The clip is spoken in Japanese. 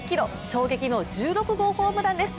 衝撃の１６号ホームランです。